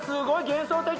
幻想的！